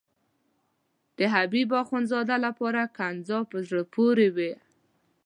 د حبیب اخندزاده لپاره ښکنځا په زړه پورې وه.